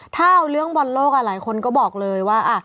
ถ้าเอาเรื่องบอลโลกหลายคนก็บอกเลยว่า